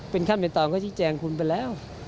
เป็นขั้นเป็นตอนเขาชี้แจงคุณไปแล้ว